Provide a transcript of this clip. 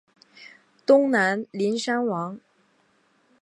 东南邻山王。